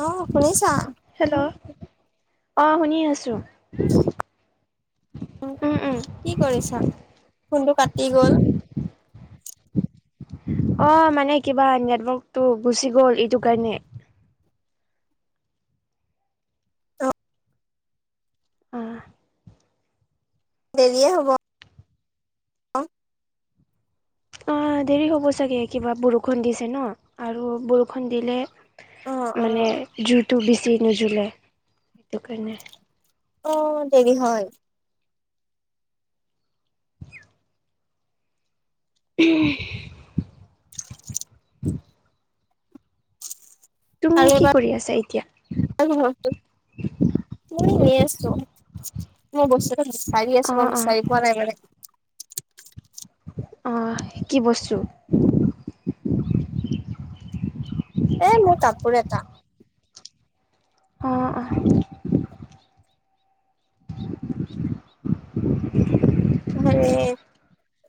অঁ শুনিছা? হেল্ল' অ শুনি আছোঁ। উম কি কৰিছা? ফোনটো কাটি গল। অ মানে কিবা নেটৱৰ্কটো গুচি গ'ল এইটো কাৰণে। [unintelligible] অঁ। অঁ। দেৰিয়ে হ'ব। অঁ। অঁ দেৰি হ'ব চাগে? কিবা বৰষুণ দিছে ন, আৰু বৰষুণ দিলে অ মানে জুইটো বেছি নুজুলে সেইটো কাৰণে। অঁ দেৰি হয়। উ [unintelligible] তুমি আৰু কি এবাৰ কৰি আছা এতিয়া? [unintelligible] মই এনেই আছো, মই বস্তু এটা বিচাৰি আছো অ মই অ বিচাৰি পোৱা নাই মানে। অহ কি বস্তু? এ মোৰ কাপোৰ এটা। অ অহ। হে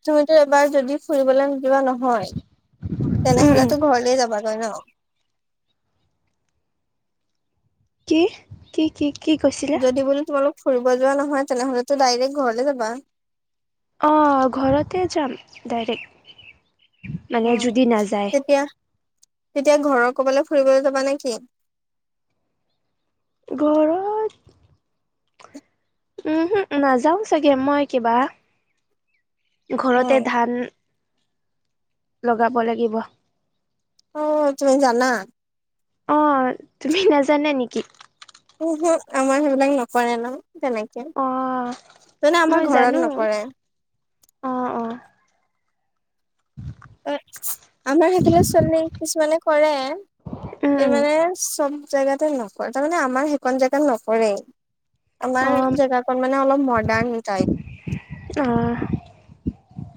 তুমিতো এবাৰ যদি ফুৰিবলে যোৱা নহয়। উম উম তেনেহলেটো ঘৰলে যাবাগৈ ন? কি? কি কি কি কৈছি যদি বোলো তোমালোক ফুৰিব যোৱা নহয় তেনেহলেতো ডাইৰেক্ট ঘৰলে যাবা। অঁ ঘৰতে যাম ডাইৰেক্ট মানে উম যদি নাযায়। তেতিয়া তেতিয়া ঘৰৰ ক'বালে ফুৰিবলৈ যাবা নেকি? ঘৰত উমহোঁ নাযাওঁ চাগে মই কিবা উম ঘৰতে ধান লগাব লাগিব। অ তুমি জানা? অ তুমি নাজানা নেকি? উমহোঁ আমাৰ সেইবিলাক নকৰে ন' তেনেকে অ মানে আমাৰ ঘৰত নকৰে। অঁ অহ। অ আমাৰ সেইফালে চনমাৰিত কিছুমানে কৰে উম কিন্তু উম মানে চব জেগাতে নকৰে তাৰমানে আমাৰ সেইকণ জেগাত নকৰেই। অ আমাৰ জেগাকণ মানে অলপ মৰ্ডাণ টাইপ। অহ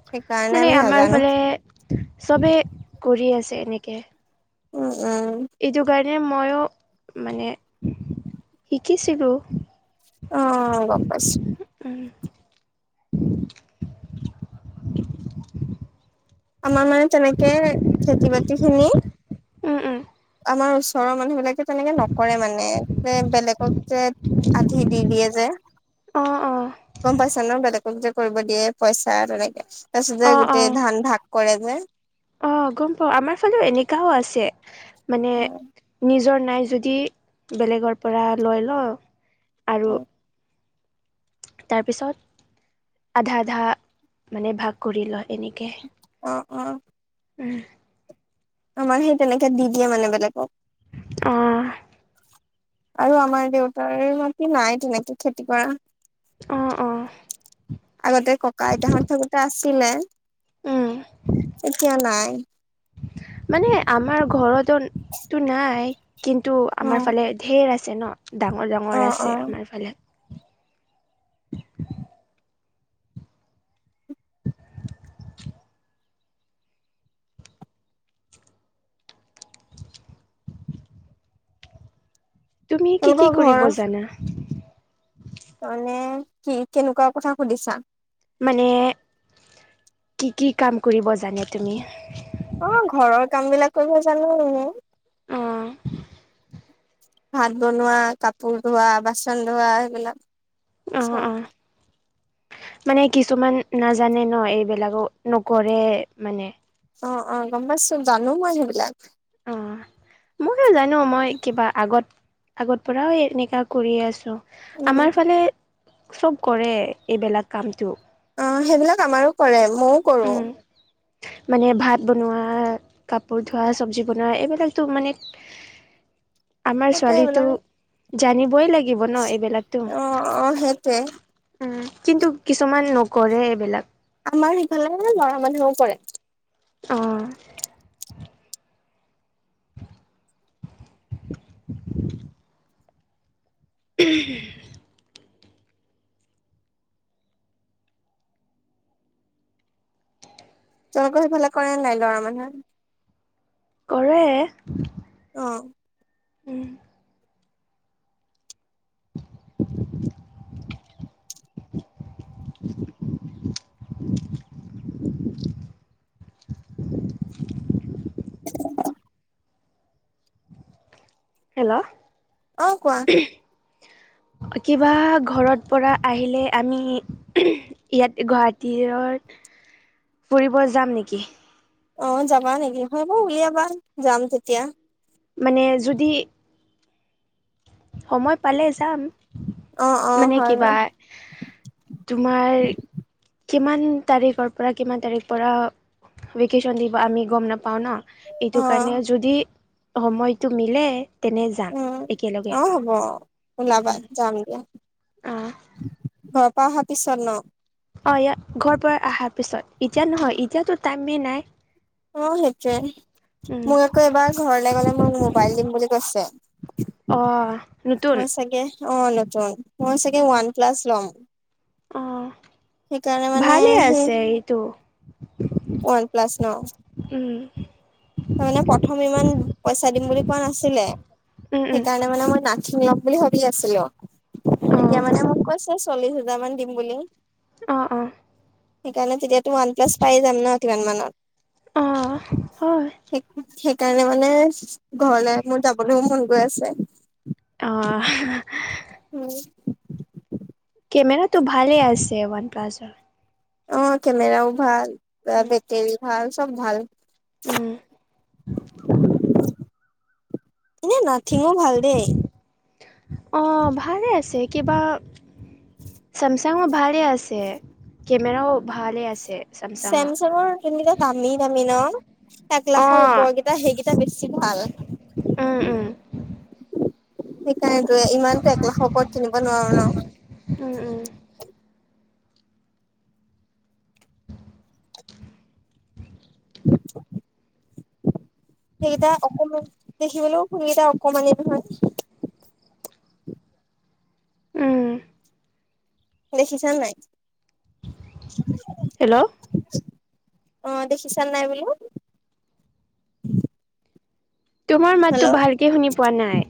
সেইকাৰণে মানে আমি আমাৰ নাজানো। এইফালে চবে কৰি আছে এনেকে। উম উম। এইটো কাৰণে ময়ো মানে শিকিছিলোঁ। অঁ গম পাইছোঁ। উমহ। আমাৰ মানে তেনেকে খেতি - বাতি খিনি উম উম। আমাৰ ওচৰৰ মানুহ বিলাকে তেনেকে নকৰে মানে যে বেলেগক যে আধি দি দিয়ে যে। অ অ গম পাইছা ন? বেলেগক যে কৰিব দিয়ে পইচা তেনেকে তাৰপিছতে গোটেই ধান ভাগ কৰে যে। অহ গম পাওঁ আমাৰ ফালেও এনেকাও আছে মানে অ', নিজৰ নাই যদি বেলেগৰ পৰা লৈ লওঁ আৰু অ', তাৰপিছত আধা আধা মানে ভাগ কৰি লয় এনেকে। অ উমহ। আমাৰ সেই তেনেকে দি দিয়ে মানে বেলেগক। অহ। আৰু আমাৰ দেউতাৰ মাটি নাই তেনেকে খেতি কৰা। অঁ অহ। আগতে ককা আইতাহঁত থাকোতে আছিলে। উমহ। এতিয়া নাই। মানে আমাৰ ঘৰতো তো নাই। কিন্তু আমাৰ অ', ফালে ঢেৰ আছে ন, ডাঙৰ ডাঙৰ অ', আছে অ'। আমাৰ ফালে। [inaudible] তুমি কি কি তেওঁলোকৰ ঘৰ কৰিব জানা? মানে কি কেনেকুৱা কথা সুধিছা? মানে কি কি কাম কৰিব জানে তুমি? অঁ ঘৰৰ কাম বিলাক কৰিব জানো মানে। অঁ। ভাত বনোৱা, কাপোৰ ধোৱা, বাচন ধোৱা সেইবিলাক। অঁ অঁ। [inaudible] মানে কিছুমান নাজানে ন এইবিলাকো নকৰে মানে। অঁ অঁ গম পাইছোঁ জানো মই সেইবিলাক। অ মইও জানো মই কিবা আগত আগত পৰাও এনেকা কৰি আছোঁ, উম, আমাৰ ফালে চব কৰে এইবিলাক কামটো। অ সেইবিলাক আমাৰো কৰে, ময়ও কৰোঁ। উম। মানে ভাত বনোৱা, কাপোৰ ধোৱা, চব্জি বনোৱা এইবিলাকতো মানে [inaudible] আমাৰ সেইটোৱে ছোৱালীতো এইবিলাক জানিবই লাগে লাগিব ন এইবিলাকটো? অ', অ', সেইটোৱে। উম কিন্তু কিছুমান নকৰে এইবিলাক। আমাৰ সিফালে ল'ৰা মানুহেও কৰে। অঁ। [inaudible] উহম্ তোমালোকৰ সেইফালে কৰে নাই ল'ৰা মানুহে? কৰে। অঁ। উম। [unintelligible] হেল্ল। অ কোৱা। কিবা ঘৰত পৰা আহিলে আমি ইয়াত গুৱাহাটীৰত ফুৰিব যাম নেকি? অ যাবা নেকি? হব উলিয়াবা যাম তেতিয়া। মানে যদি সময় পালে যাম, অ অ মানে হয় কিবা বাৰু তোমাৰ কিমান তাৰিখৰ পৰা কিমান তাৰিখ পৰা ভেকেশ্যন দিব আমি গম নাপাওঁ ন। এইটো অ কাৰণে যদি সময়টো মিলে তেনে যাম উম একেলগে অঁ হ'ব। ওলাবা যাম দিয়া, অ', ঘৰ পা অহাৰ পিছত ন? অ ইয়া ঘৰ পৰা অহাৰ পিছত, এতিয়া নহয় এতিয়াতো টাইমেই নাই। অ সেইটোৱে উম, মোক আকৌ এবাৰ ঘৰলে গলে মোক মোবাইল দিম বুলি কৈছে। অহ। মই চাগে অ' নেটৱৰ্ক মই চাগে অ', ওৱান প্লাছ লম। অ', সেইকাৰণে মানে ভালে আছে সেই এইটো [inaudible] ওৱান প্লাছ ন? উম, তাৰ মানে প্ৰথম ইমান পইচা দিম বুলি কোৱা নাছিলে। উম, উম, সেইকাৰণে মানে মই নাথিম লম বুলি ভাবি আছিলোঁ। এতিয়া অ', মানে মোক কৈছে এই চল্লিছ হাজাৰ মান দিম বুলি অ' অ'। সেইকাৰণে তেতিয়াতো ওৱান প্লাছ পাই যাম ন কিমান অ', হয় মানত। সেইকাৰণে মানে ঘৰলে মোৰ যাবলৈও মন গৈ আছে। আ। উম। কেমেৰাটো ভালে আছে ওৱান প্লাছৰ। অ' কেমেৰাও ভাল উম, বেটেৰী ভাল চব ভাল। উম, [unintelligible] এনে নাথিমো ভাল দেই। অ' ভালে আছে কিবা চেমচাংও ভালে আছে কেমেৰাও ভালে আছে। চেমচাঙৰ যিবিলাক বিলাত দামী দামী ন। এক অ লাখৰ ওপৰকেইটা সেইকেইটা বেছি ভাল। উম, উম। তাকেটো ইমানতো একলাখৰ ওপৰত কিনিব নোৱাৰো ন। উম, উম। [unintelligible] সেইকেইটা অকনমান, দেখিবলৈও ফোনকেইটা অকমানেই নহয়। উম। দেখিছা নাই? হেল্ল'। অ' দেখিছা নাই বোলো? তোমাৰ মাতটো হেল্ল' ভালকে শুনি পোৱা নাই।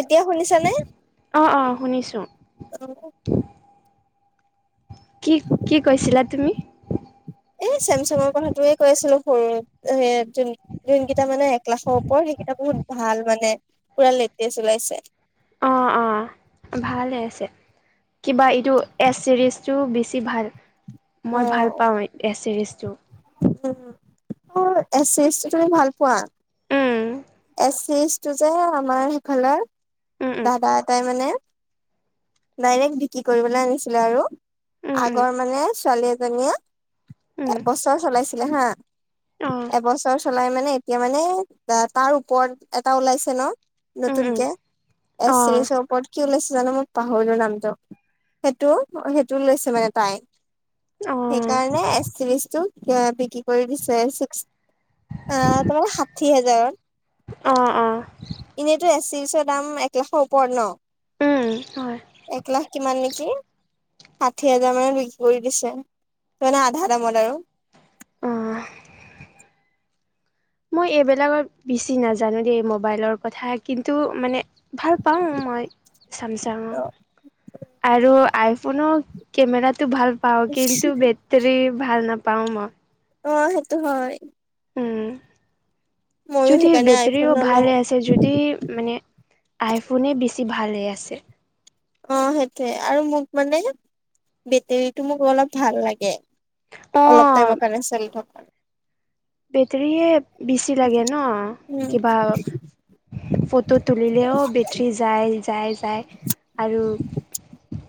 এতিয়া শুনিছানে? অ' অ' শুনিছোঁ। অ'। কি কি কৈছিলা তুমি? এই চেমচঙৰ কথাটোয়ে কৈ আছিলোঁ সৰু এ যোন যোনকেইটা মানে এক লাখৰ ওপৰত সেইকেইটা বহুত ভাল মানে, পুৰা লেতেজ ওলাইছে। অ' অ' ভালে আছে। কিবা এইটো এছ চিৰিজটো বেছি ভাল মই ভাল পাওঁ এছ চিৰিজটো। মোৰ এচ চিৰিজটো তুমি ভাল পোৱা? উম এচ চিজ টো যে আমাৰ সেইখনৰ উম দাদা এটাই মানে ডাইৰেক্ট বিক্ৰী কৰিবলৈ আনিছিলে আৰু উম আগৰ মানে ছোৱালী জনীয়ে উম একবছৰ চলাইছিলে হা উম উম অ এবছৰ চলাই মানে এতিয়া মানে তাত তাৰ ওপৰত এটা ওলাইছে ন উম উম নতুনকে এছ অ চিৰিজৰ ওপৰত কি ওলাইছে জানো মোক পাহৰিৰ নামটো, সেইটো সেইটো লৈছে মানে তাই। সেইকাৰণে এচ চিৰিজটো এ বিক্ৰী কৰি দিছে ছিক্স, আহ তোমাৰ ষাঠি হাজাৰত। অ' অ'। এনেইতো এছ চিৰিজৰ দাম এক লাখৰ ওপৰত ন। উম হয়। এক লাখ কিমান নেকি। ষাঠি হাজাৰ মানত বিক্ৰী কৰি দিছে, ত মানে আধা দামত আৰু। অ মই এইবিলাকত বেছি নাজানো দেই মোবাইলৰ কথা কিন্তু মানে ভাল পাওঁ মই, চামচাঙৰ। আৰু আইফনৰ কেমেৰাতটো ভাল পাওঁ কিন্তু বেটেৰী বেটেৰি ভাল নাপাওঁ মই। অ', সেইটো হয়। উম, ময়ো যদি সেইকাৰণে বেটেৰি আইফোন নলওঁ ভালে আছে যদি মানে আইফোনেই বেছি ভালে আছে। অ' সেইটোয়ে আৰু মোক মানে, বেটৰীটো মোক অলপ ভাল লাগে। অ অলপ টাইমৰ কাৰণে চলি থকা। বেটাৰিহে বেছি লাগে ন, উম কিবা ফটো তুলিলেও বেটাৰী যায়, যায়, যায়। আৰু,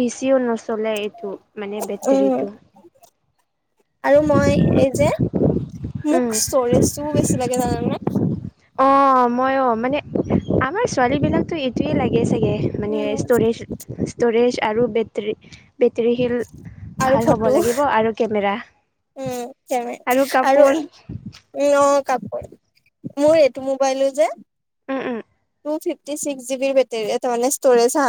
বেছিও নচলে এইটো মানে উম বেটেৰীটো। আৰু মই এই যে, উম মোক স্টৰেজটোও বেছি লাগে জানা নে? অ' মই অ' মানে আমাৰ ছোৱালী বিলাকতো সেইটোয়ে লাগে চাগে মানে উম ষ্টৰেজ, ষ্ট'ৰেজ আৰু বেটেৰী। বেটেৰিশীল আৰু ভাল হ'ব ফটো লাগিব, আৰু কেমেৰা। উম কেমেৰা আৰু কাপোৰ। উম অ', কাপোৰ মোৰ এইটো মোবাইলো যে উম, উম। টু ফিফটি ছিক্ জিবিৰ বেটেৰি তাৰমাহনে ষ্টৰেজ হা।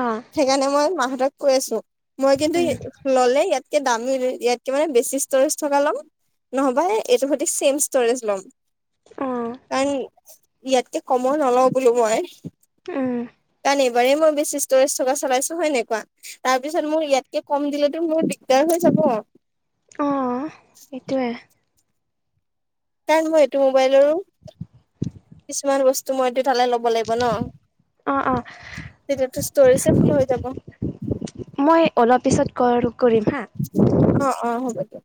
অ'। সেইকাৰণে মই মাহঁতক কৈ আছো, মই কিন্তু উম ল'লে ইয়াতকে দামী, ইয়াতকে মানে বেছি ষ্টৰেজ থকা লম। নহবা এইটো সতি চেম ষ্টৰেজ ল'ম। অ' কাৰণ, ইয়াতকে কমৰ নলওঁ বোলো মই। উম। কাৰণ এইবাৰেই মই বেছি স্টৰেজ থকা চলাইছো হয় নে নাই কোৱা। তাৰ পিছত মোৰ ইয়াতকে কম দিলেতো মোৰ দিগদাৰ হৈ যাব। অ' সেইটোৱেই। কাৰণ মই এইটো মোবাইলৰো, কিছুমান বস্তু মই এইটো তালে লব লাগিব ন। অ' অ'। তেতিয়াতো ষ্টৰেজে ফুল হৈ যাব মই অলপ পিছত কল কৰিম হা। অ' অ' হ'ব দিয়া।